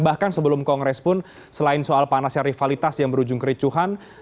bahkan sebelum kongres pun selain soal panasnya rivalitas yang berujung kericuhan